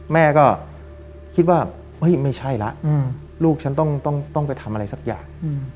แม่ก็คิดว่าเฮ้ยไม่ใช่ละลูกฉันต้องไปทำอะไรสักอย่าง